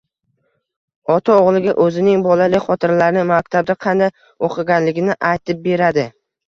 Ota o‘g‘liga o‘zining bolalik xotiralarini, maktabda qanday o‘qiganligini aytib beradi.